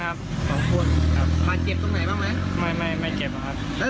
มาเก็บตรงไหนบ้างไหมไม่ไม่เก็บครับ